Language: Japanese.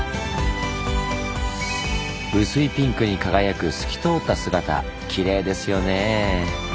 薄いピンクに輝く透き通った姿キレイですよね。